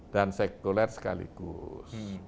dan sekuler sekaligus